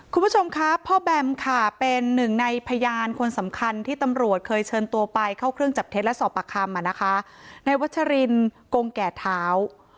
คุณผู้ชมครับพ่อแบมค่ะเป็นหนึ่งในพยานคนสำคัญที่ตำรวจเคยเชิญตัวไปเข้าเครื่องจับเท็จและสอบปากคำอ่ะนะคะในวัชรินกงแก่เท้า